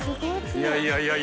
いやいや。